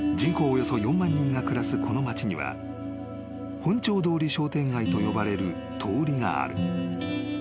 およそ４万人が暮らすこの町には本町通り商店街と呼ばれる通りがある］